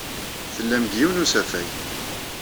Tellam deg yiwen n usafag.